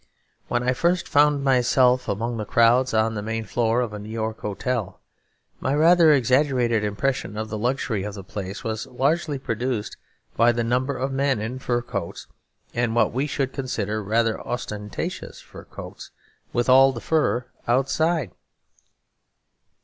When I first found myself among the crowds on the main floor of a New York hotel, my rather exaggerated impression of the luxury of the place was largely produced by the number of men in fur coats, and what we should consider rather ostentatious fur coats, with all the fur outside.